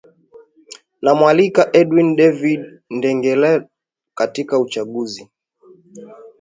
namwalika edwin david ndegetela katika uchaguzi